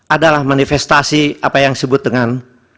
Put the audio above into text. adalah manifestasi apa yang disebut dengan